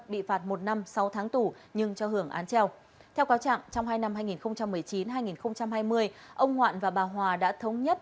bị phạt một năm sáu tháng tù nhưng cho hưởng án treo theo cáo trạng trong hai năm hai nghìn một mươi chín hai nghìn hai mươi ông ngoạn và bà hòa đã thống nhất